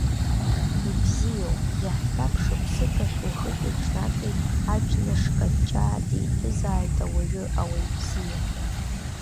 Ибзиоуп, иаҳҳәап, шықәсык ахь уахыки-ҽнаки аџьныш-қаҷаа дитәызааит ауаҩы, ауаҩ бзиа.